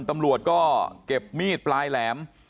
ตำรวจก็เก็บมีดปลายแหลม